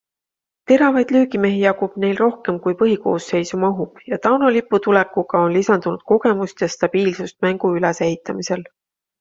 Teravaid löögimehi jagub neil rohkem kui põhikoosseisu mahub ja Tauno Lipu tulekuga on lisandunud kogemust ja stabiilsust mängu ülesehitamisel.